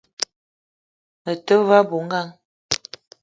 Me te ve a bou ngang